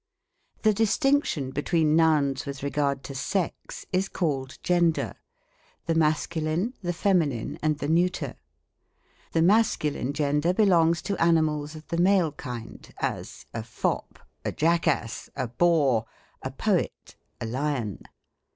The distinction between noui/s with regard to sex is called Gender. There are three genders : the Mascu line, the Feminine, and the Neuter, The masculine gender belongs to animals of the male kind: as, a fop, a jackass, a boar, a poet, a lion.